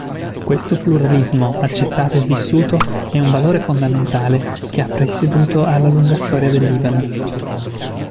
Questo pluralismo accettato e vissuto è un valore fondamentale che ha presieduto alla lunga storia del Libano.